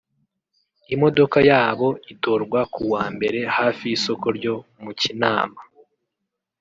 imodoka yabo itorwa ku wa Mbere hafi y’isoko ryo mu Kinama